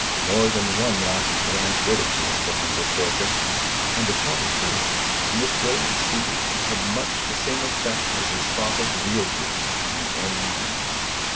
More than one laughing glance ridiculed the humble troika. And, to tell the truth, in this brilliant scene it had much the same efifect as a spot of wheel grease on an ermine mantle.